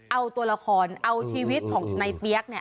เอาตัวละครเอาชีวิตของในเปี๊ยกเนี่ย